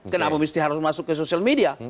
kenapa mesti harus masuk ke sosial media